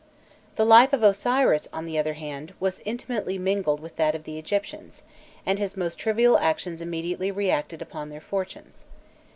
The life of Osiris, on the other hand, was intimately mingled with that of the Egyptians, and his most trivial actions immediately reacted upon their fortunes.